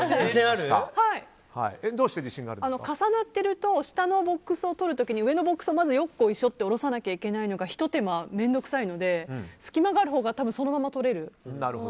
重なってると下のボックスをとるときに上のボックスをよっこいしょって下ろさなきゃいけないのがひと手間面倒くさいので隙間があるほうがそのまま取れる。